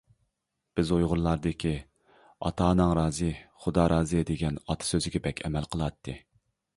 بىز ئۇيغۇرلاردىكى «ئاتا-ئاناڭ رازى، خۇدا رازى» دېگەن ئاتا سۆزگە بەك ئەمەل قىلاتتى.